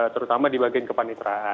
terutama di bagian kepanitraan